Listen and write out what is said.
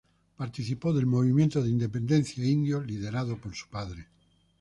Participó del movimiento de independencia indio liderado por su padre.